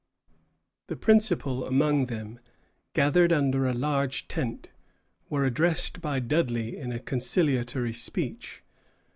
The principal among them, gathered under a large tent, were addressed by Dudley in a conciliatory speech.